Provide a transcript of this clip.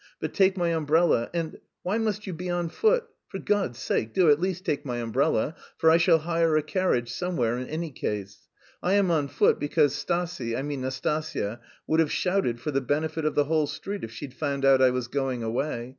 But take my umbrella, and why must you be on foot? For God's sake, do at least take my umbrella, for I shall hire a carriage somewhere in any case. I am on foot because Stasie (I mean, Nastasya) would have shouted for the benefit of the whole street if she'd found out I was going away.